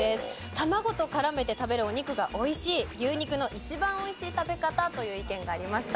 「卵と絡めて食べるお肉が美味しい」「牛肉の一番美味しい食べ方」という意見がありました。